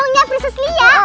uangnya prinses lia